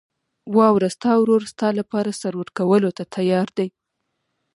واوره، ستا ورور ستا لپاره سر ورکولو ته تیار دی.